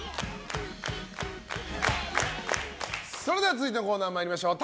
続いてのコーナー参りましょう。